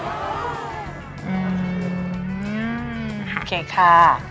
ทีมคะ